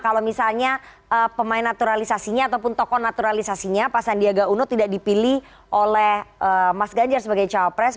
kalau misalnya pemain naturalisasinya ataupun tokoh naturalisasinya pak sandiaga uno tidak dipilih oleh mas ganjar sebagai cawapres